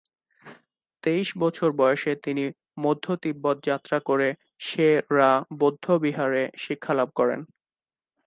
তেইশ বছর বয়সে তিনি মধ্য তিব্বত যাত্রা করে সে-রা বৌদ্ধবিহারে শিক্ষালাভ করেন।